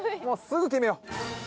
もうすぐ決めよう。